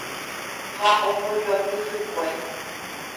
ha ombojoapy hikuái